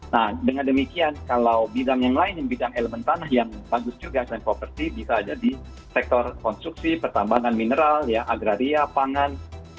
nah dengan demikian kalau bidang yang lain bidang elemen tanah yang bagus juga selain properti bisa ada di sektor konstruksi pertambangan mineral agraria pangan